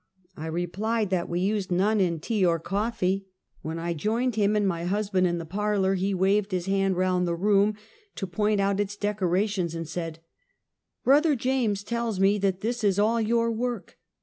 I replied that we used none in tea or cofiee. When 1 joined him and my husband in the parlor, he waived his hand around the room to point out its decorations and said: " Brother James tells meNthat this is all your work.